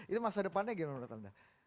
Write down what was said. itu masa depannya gimana menurut anda